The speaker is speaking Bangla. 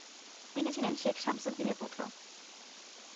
তিনি ছিলেন শেখ শামস-উদ-দ্বীনের পুত্র।